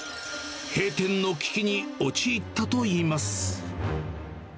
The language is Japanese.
閉店の危機に陥ったといいます。